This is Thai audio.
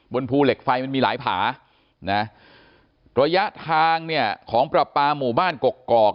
ภูเหล็กไฟมันมีหลายผานะระยะทางเนี่ยของประปาหมู่บ้านกกอก